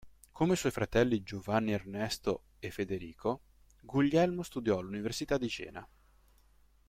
Come i suoi fratelli Giovanni Ernesto e Federico, Guglielmo studiò all'Università di Jena.